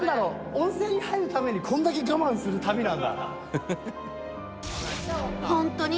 温泉に入るためにこれだけ我慢する旅なんだ。